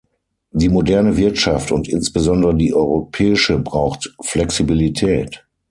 Die moderne Wirtschaft und insbesondere die europäische braucht Flexibilität.